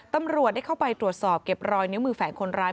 ตำรวจได้เข้าไปตรวจสอบเก็บรอยนิ้วมือแฝงคนร้าย